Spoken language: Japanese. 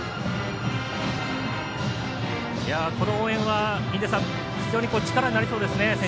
この応援は非常に力になりそうですね。